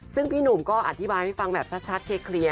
ซึ่งพี่หนุ่มก็อธิบายให้ฟังแบบชัดเคลียร์